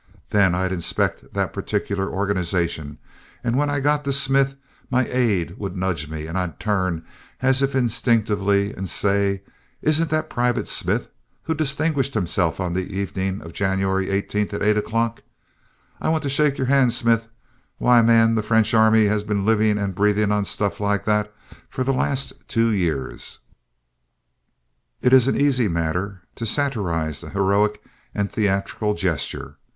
Then I'd inspect that particular organization and when I got to Smith my aide would nudge me and I'd turn, as if instinctively, and say, 'Isn't that Private Smith who distinguished himself on the evening of January 18 at 8 o'clock? I want to shake your hand, Smith.' Why, man, the French army has been living and breathing on stuff like that for the last two years." It is an easy matter to satirize the heroic and theatrical gesture.